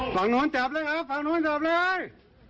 ตรงนู้นเจ็บเลยครับตรงนู้นเจ็บเลย